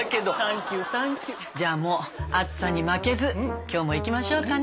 じゃあもう暑さに負けず今日もいきましょうかね。